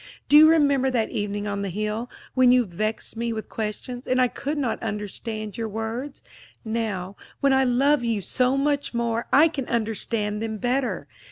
Do you remember that evening on the hill, when you vexed me with questions, and I could not understand your words? Now, when I love you so much more, I can understand them better.